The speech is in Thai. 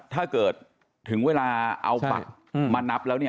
ถ้าเกิดถึงเวลาเอาปักมานับแล้ว